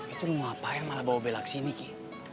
itu lu ngapain malah bawa bella kesini ki